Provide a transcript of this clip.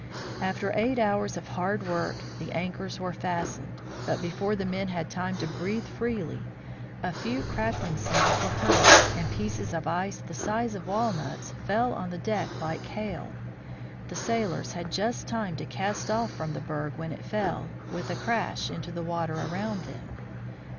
After eight hours of hard work the anchors were fastened, but before the men had time to breathe freely, a few ELISHA KENT KANE 35 crackling sounds were heard and pieces of ice the size of walnuts fell on the deck like hail. The sailors had just time to cast off from the berg when it fell, with a crash, into the water around them.